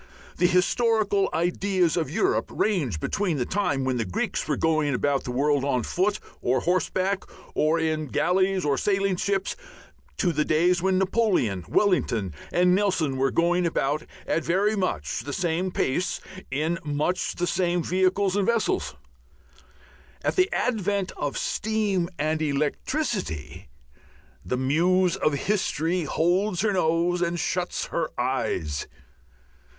The historical ideas of Europe range between the time when the Greeks were going about the world on foot or horseback or in galleys or sailing ships to the days when Napoleon, Wellington, and Nelson were going about at very much the same pace in much the same vehicles and vessels. At the advent of steam and electricity the muse of history holds her nose and shuts her eyes.